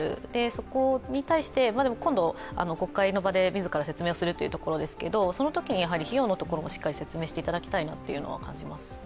そこに対して、今度、国会の場で自ら説明するということですけどそのときに費用のところもしっかり説明していただきたいなというのは感じます。